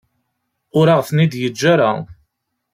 Ur aɣ-ten-id-yeǧǧa ara.